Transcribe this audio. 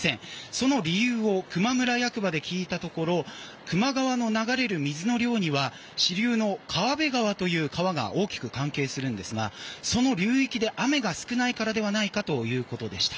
その理由を球磨村役場で聞いたところ球磨川の流れる水の量には支流の川辺川という川が大きく関係するんですがその流域で雨が少ないからではないかということでした。